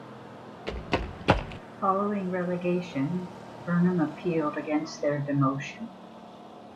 Following relegation, Burnham appealed against their demotion.